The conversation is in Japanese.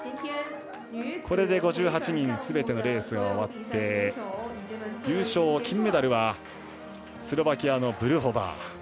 これで５８人すべてのレースが終わって優勝、金メダルはスロバキアのブルホバー。